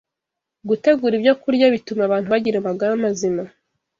gutegura ibyokurya bituma abantu bagira amagara mazima